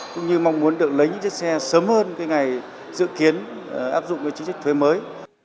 cũng như mong muốn được lấy những chiếc xe sớm hơn cái ngày dự kiến áp dụng cái chính sách thuế mới